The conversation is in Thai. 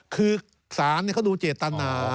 คือสารเนี่ยเขาดูเจตนา